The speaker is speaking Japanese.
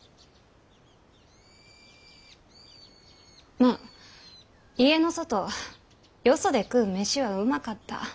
ま家の外よそで食う飯はうまかった。